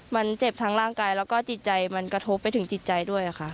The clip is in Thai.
มันเจ็บทั้งร่างกายแล้วก็จิตใจมันกระทบไปถึงจิตใจด้วยค่ะ